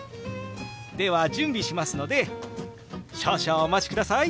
では準備しますので少々お待ちください。